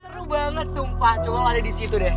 seru banget sumpah coba lo ada disitu deh